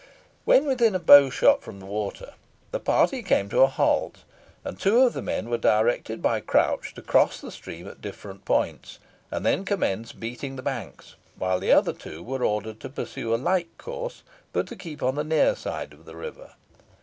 When within a bowshot from the water, the party came to a halt, and two of the men were directed by Crouch to cross the stream at different points, and then commence beating the banks, while the other two were ordered to pursue a like course, but to keep on the near side of the river.